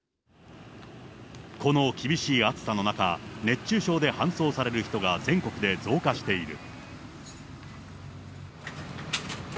この厳しい暑さの中、熱中症で搬送される人が全国で増加している。